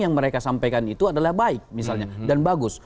yang mereka sampaikan itu adalah baik misalnya dan bagus